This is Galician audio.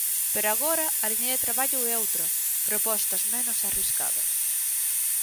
Pero agora a liña de traballo é outra: propostas menos arriscadas.